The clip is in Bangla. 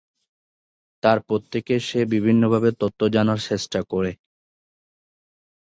তারপর থেকে সে বিভিন্ন ভাবে তথ্য জানার চেষ্টা করে।